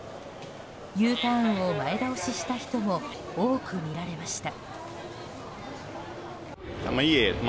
Ｕターンを前倒しした人も多く見られました。